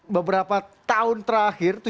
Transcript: beberapa tahun terakhir